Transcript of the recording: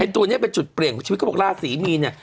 ตัวนี้เป็นจุดเปลี่ยนของชีวิตเขาบอกราศีมีนเนี่ย